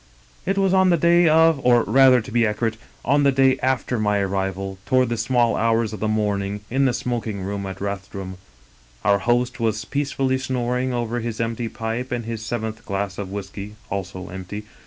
" It was on the day of, or, rather, to be accurate, on the day after my arrival, toward the small hours of the morn ing, in the smoking room at Rathdrum. Our host was peacefully snoring over his empty pipe and his seventh glass of whisky, also empty.